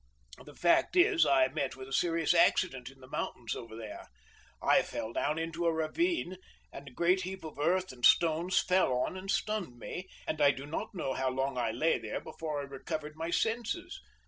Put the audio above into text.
The fact is, I met with a serious accident in the mountains over there. I fell down into a ravine, and a great heap of earth and stones fell on and stunned me, and I do not know how long I lay there before I recovered my senses.